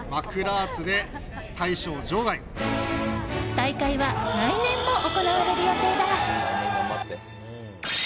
大会は来年も行われる予定だ。